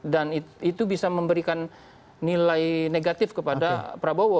itu bisa memberikan nilai negatif kepada prabowo